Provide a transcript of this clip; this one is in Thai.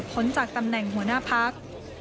จากตำแหน่งหัวหน้าพัก